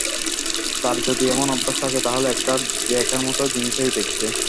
তার যদি এমন অভ্যাস থাকে, তাহলে একটা দেখার মত জিনিসই দেখবে।